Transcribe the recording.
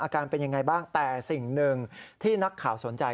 เป็นยังไงบ้างแต่สิ่งหนึ่งที่นักข่าวสนใจ